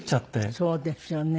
そうですよね。